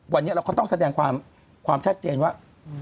วันนี้เราก็ต้องแสดงความชัดเจนว่า